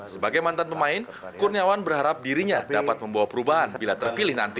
sebagai mantan pemain kurniawan berharap dirinya dapat membawa perubahan bila terpilih nanti